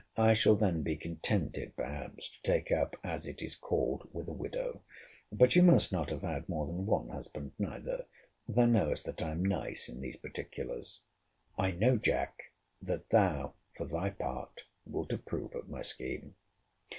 '—I shall then be contented, perhaps, to take up, as it is called, with a widow. But she must not have had more than one husband neither. Thou knowest that I am nice in these particulars. I know, Jack, that thou for thy part, wilt approve of my scheme.